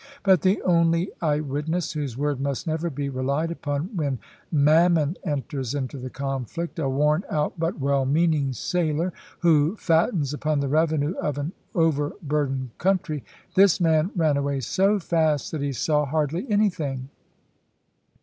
But the only eyewitness (whose word must never be relied upon when mammon enters into the conflict), a worn out but well meaning sailor, who fattens upon the revenue of an overburdened country this man ran away so fast that he saw hardly anything.